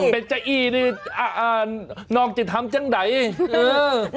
เป็นใจอี้นี่อ่านอกจะทำจะไหน